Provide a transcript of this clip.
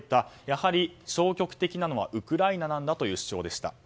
やはり消極的なのはウクライナなんだという主張でした。